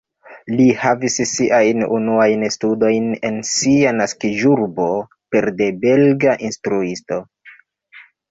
Li havis siajn unuajn studojn en sia naskiĝurbo, pere de belga instruisto.